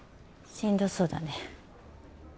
しんどそうだね。